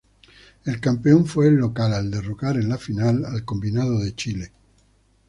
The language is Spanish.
El campeón fue el local al derrotar en la final al combinado de Chile.